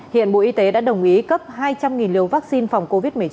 hiện bộ y tế đã đồng ý cấp hai trăm linh liều vaccine phòng covid một mươi chín